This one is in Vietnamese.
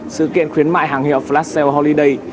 sự kiện khuyến mại hàng hiệu flash sale holiday